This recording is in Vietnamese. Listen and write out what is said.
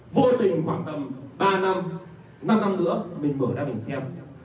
vô tình khoảng tầm ba năm năm năm nữa mình mở ra mình xem